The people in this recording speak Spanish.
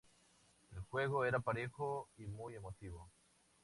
El juego era parejo y muy emotivo.